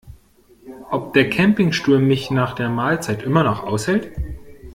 Ob der Campingstuhl mich nach der Mahlzeit immer noch aushält?